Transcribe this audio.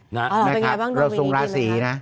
เหรอเป็นไงบ้างรอสูงราศรีนะ